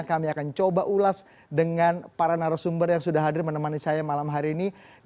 kami akan coba ulas dengan para narasumber yang sudah hadir menemani saya malam hari ini